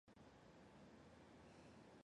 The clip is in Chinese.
玛罕巴的神秘生物。